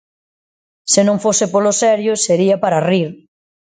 Se non fose polo serio, sería para rir.